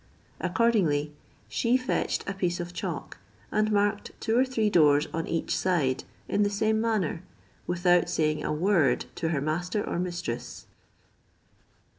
Accordingly, she fetched a piece of chalk, and marked two or three doors on each side, in the same manner, without saying a word to her master or mistress.